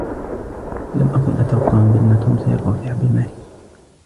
لم أكن أتوقع بأن "توم"سيقع في حب "ماري"